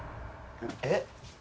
えっ？